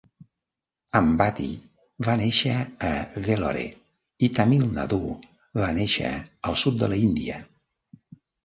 Ambati va néixer a Vellore i Tamil Nadu va néixer al sud de l"Índia.